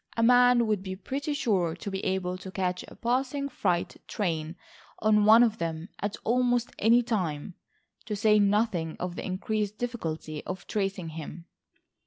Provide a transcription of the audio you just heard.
A man would be pretty sure to be able to catch a passing freight train on one of them at almost any time, to say nothing of the increased difficulty of tracing him."